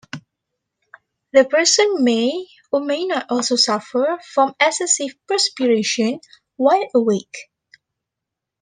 The person may or may not also suffer from excessive perspiration while awake.